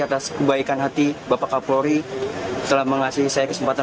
atas kebaikan hati bapak kapolri telah mengasihi saya kesempatan